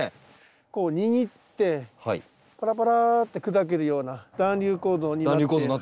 こう握ってパラパラって砕けるような団粒構造になって。